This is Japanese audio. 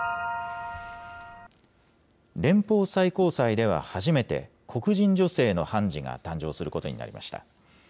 連邦最高裁では初めて、黒人女性の判事が誕生することになりました。